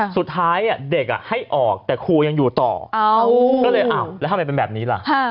สุดท้ายเด็กให้ออกแต่ครูยังอยู่ต่อก็เลยอ้าวแล้วทำไมเป็นแบบนี้ล่ะ